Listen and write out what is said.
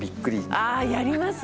ああやります！